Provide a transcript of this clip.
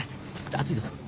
熱いぞ。